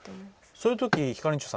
そういうときひかりんちょさん